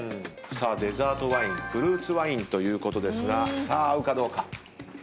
さあデザートワインフルーツワインということですが合うかどうか。